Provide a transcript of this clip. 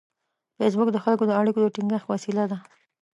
فېسبوک د خلکو د اړیکو د ټینګښت وسیله ده